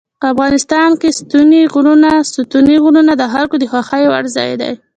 افغانستان کې ستوني غرونه د خلکو د خوښې وړ ځای دی.